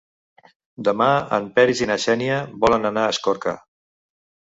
Demà en Peris i na Xènia volen anar a Escorca.